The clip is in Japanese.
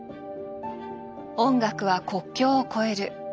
音楽は国境を超える。